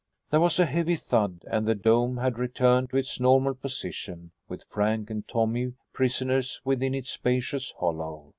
There was a heavy thud and the dome had returned to its normal position, with Frank and Tommy prisoners within its spacious hollow.